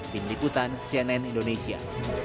tim liputan cnn indonesia